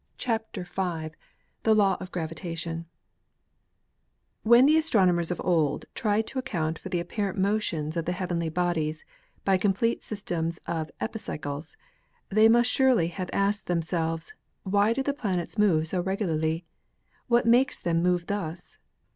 CHAPTER V THE LAW OF GRAVITATION When the astronomers of old tried to account for the apparent motions of the heavenly bodies by complete sys tems of epicycles, they must surely have asked themselves, Why do the planets move so regularly? What makes them move thus